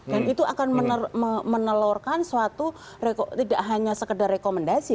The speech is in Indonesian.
dan itu akan menelurkan suatu tidak hanya sekedar rekomendasi